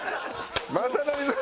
雅紀さん！